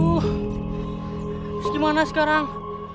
terus gimana sekarang